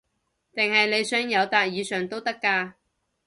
定係你想友達以上都得㗎